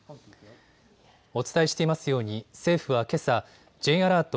お伝えしていますように政府はけさ、Ｊアラート